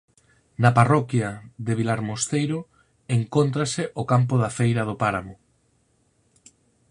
Na parroquia de Vilarmosteiro encóntrase o Campo da Feira do Páramo.